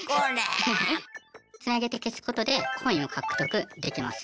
つなげて消すことでコインを獲得できます。